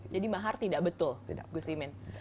jadi mahar tidak betul gus imin